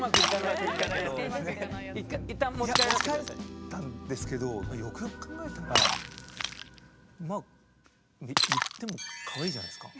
いや持ち帰ったんですけどよくよく考えたらまあ言ってもかわいいじゃないですか。